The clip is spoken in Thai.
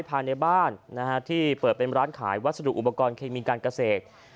ภายในบ้านที่เปิดเป็นร้านขายวัสดุอุปกรณ์เคมีการเกษตร